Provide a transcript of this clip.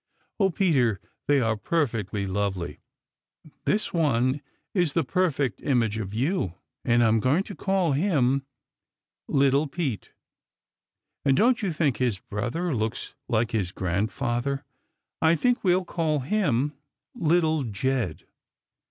Oh, Peter, they are perfectly lovely! This one is the perfect image of you, and I'm going to call him Little Pete. And don't you think his brother looks like his grandfather? I think we'll call him Little Jed."